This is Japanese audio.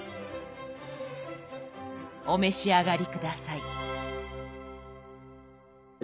お召し上がり下さい。